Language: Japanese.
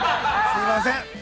すいません！